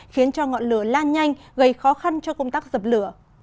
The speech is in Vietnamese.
khiến cho ngọn lửa lan nhanh gây khó khăn cho công tác dập lửa